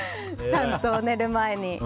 ちゃんと寝る前に。